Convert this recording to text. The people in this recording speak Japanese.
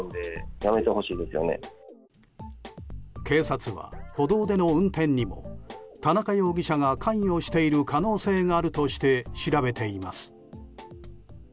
警察は、歩道での運転にも田中容疑者が関与している可能性があるとして調べています。